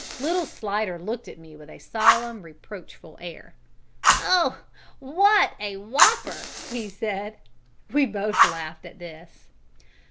Little Slidder looked at me with a solemn, reproachful air. "Oh! what a wopper!" he said. We both laughed at this.